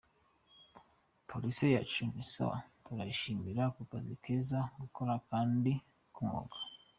Police yacu ni sawa, turayishimira kukazi keza bakora kandi kumwuga.